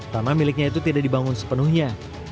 tanah miliknya itu tidak dibangun sepenuhnya